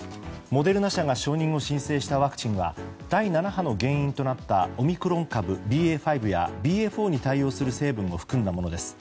モデルナ社が承認を申請したワクチンは第７波の原因となったオミクロン株ＢＡ．５やＢＡ．４に対応する成分を含んだものです。